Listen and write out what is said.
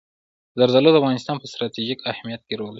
زردالو د افغانستان په ستراتیژیک اهمیت کې رول لري.